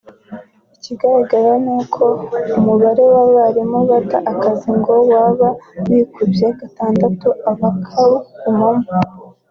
Ikigaragara ni uko umubare w’abarimu bata akazi ngo waba wikubye gatandatu abakagumamo